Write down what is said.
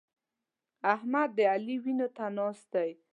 احمد د علي وينو ته ناست دی.